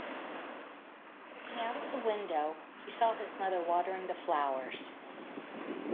Looking out of the window, he saw his mother watering the flowers.